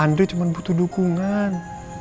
andri cuma butuh dukungan